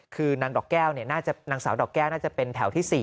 คือนักสาวดอกแก้วน่าจะเป็นแถวที่๔